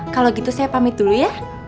kalau gitu saya pamit dulu ya